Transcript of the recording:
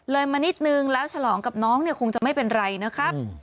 มานิดนึงแล้วฉลองกับน้องเนี่ยคงจะไม่เป็นไรนะครับ